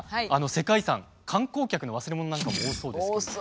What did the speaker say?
世界遺産観光客の忘れ物なんかも多そうですけど。